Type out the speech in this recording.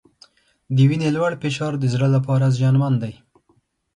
د وینې لوړ فشار د زړه لپاره زیانمن دی.